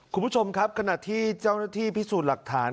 คุณผู้ชมครับขณะที่เจ้าหน้าที่พิสูจน์หลักฐาน